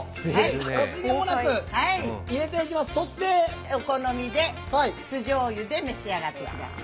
そしてお好みで酢じょうゆで召し上がってください。